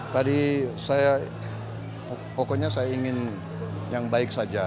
tadi saya pokoknya saya ingin yang baik saja